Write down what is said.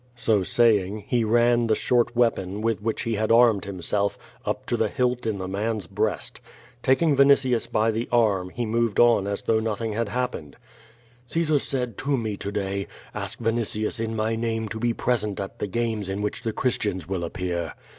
So saying, he ran the short weapon, mth which he had armed himself, up to the hilt in the man's breast. Taking Vinitius by the arm, he moved on as though nothing had happened. "Caesar said to me to day, *Ask Vinitius in my name to be present at the games in which the Christians will appear.'